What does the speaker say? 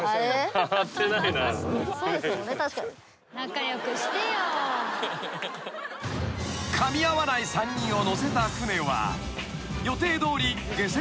［かみ合わない３人を乗せた舟は予定どおり］